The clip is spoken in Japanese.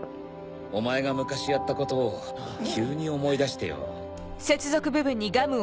お前が昔やったことを急に思い出してよ。